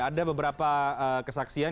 ada beberapa kesakitan